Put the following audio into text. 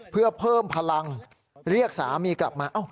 เพื่อเพิ่มพลังเรียกสามีกลับมา